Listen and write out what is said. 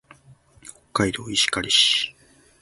北海道石狩市